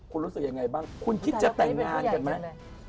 คุณรู้สึกยังไงบ้างคุณคิดจะแต่งงานกันไหม